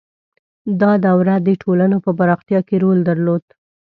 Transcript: • دا دوره د ټولنو په پراختیا کې رول درلود.